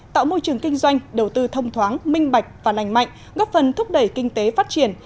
tạo môi trường kinh doanh đầu tư thông thoáng minh bạch và lành mạnh góp phần thúc đẩy kinh tế phát triển